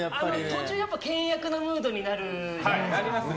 途中、険悪なムードになるじゃないですか。